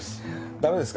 駄目です。